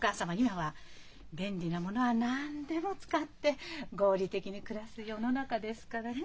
今は便利なものは何でも使って合理的に暮らす世の中ですからね。